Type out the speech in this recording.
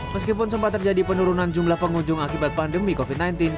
meskipun sempat terjadi penurunan jumlah pengunjung akibat pandemi covid sembilan belas